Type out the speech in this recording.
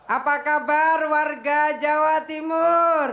apa kabar warga jawa timur